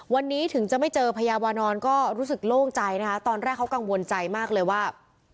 วันนี้ถึงจะไม่เจอพญาวานอนก็รู้สึกโล่งใจนะคะตอนแรกเขากังวลใจมากเลยว่า